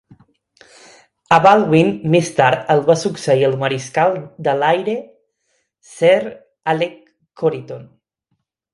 A Baldwin més tard el va succeir el Mariscal de l'Aire Sir Alec Coryton.